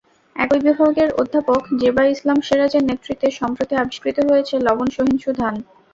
একই বিভাগের অধ্যাপক জেবা ইসলাম সেরাজের নেতৃত্বে সম্প্রতি আবিষ্কৃত হয়েছে লবণসহিষ্ণু ধান।